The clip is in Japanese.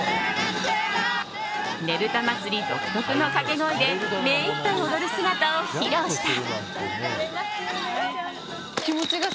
ねぶた祭独特の掛け声で目いっぱい踊る姿を披露した。